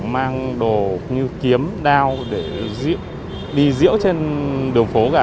mang đồ như kiếm đao để đi diễu trên đường phố cả